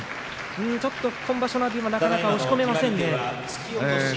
ちょっと今場所の阿炎はなかなか押し込めませんね。